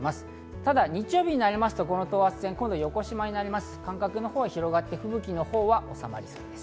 ただ日曜日になりますと、この等圧線、横しまになります感覚のほうが広くなって吹雪のほうは収まりそうです。